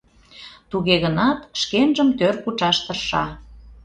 Туге гынат шкенжым тӧр кучаш тырша.